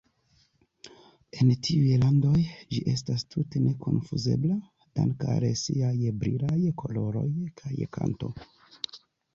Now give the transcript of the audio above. En tiuj landoj ĝi estas tute nekonfuzebla danke al siaj brilaj koloroj kaj kanto.